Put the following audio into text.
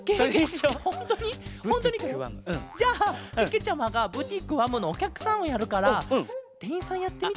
じゃあけけちゃまがブティックわむのおきゃくさんをやるからてんいんさんやってみて。